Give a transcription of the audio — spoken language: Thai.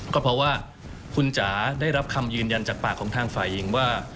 ก็เพราะว่าคุณจ๋าได้รับคำยืนยันจากปากของทางฝ่ายหญิงว่า